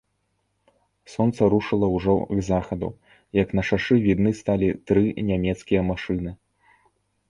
Сонца рушыла ўжо к захаду, як на шашы відны сталі тры нямецкія машыны.